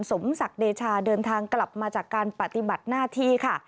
สมศักดิ์เดชาเดินทางกลับมาจากการปฏิบัติหน้าที่ค่ะ